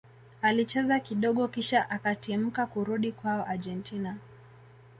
alicheza kidogo kisha akatimka kurudi kwao argentina